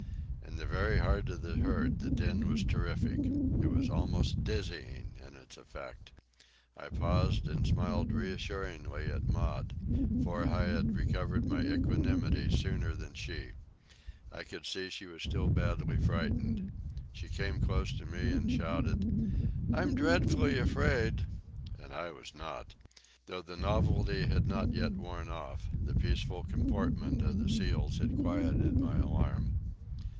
In the very heart of the herd the din was terrific. It was almost dizzying in its effect. I paused and smiled reassuringly at Maud, for I had recovered my equanimity sooner than she. I could see that she was still badly frightened. She came close to me and shouted: "I'm dreadfully afraid!" And I was not. Though the novelty had not yet worn off, the peaceful comportment of the seals had quieted my alarm.